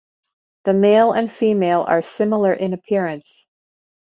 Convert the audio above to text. The male and female are similar in appearance.